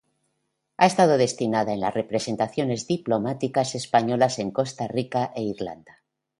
Ha estado destinada en las representaciones diplomáticas españolas en Costa Rica e Irlanda.